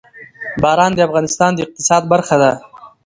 باران د افغانستان د اقتصاد برخه ده.